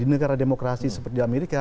di negara demokrasi seperti amerika